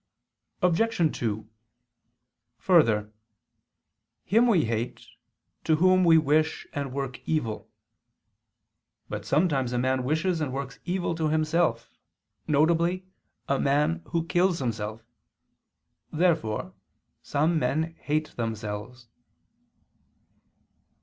Obj. 2: Further, him we hate, to whom we wish and work evil. But sometimes a man wishes and works evil to himself, e.g. a man who kills himself. Therefore some men hate themselves.